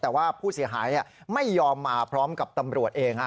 แต่ว่าผู้เสียหายไม่ยอมมาพร้อมกับตำรวจเอง